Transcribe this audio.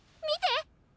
見て！